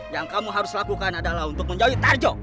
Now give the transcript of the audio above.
yang kamu harus lakukan adalah untuk menjauhi tajam